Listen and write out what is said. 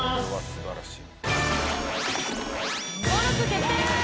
素晴らしい！